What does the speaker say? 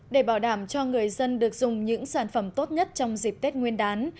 để bảo đảm cho người dân được dùng những sản phẩm tốt nhất trong dịp tết nguyên đán